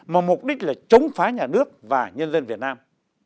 mà mục đích là chống phá nhà nước và nhân dân việt nam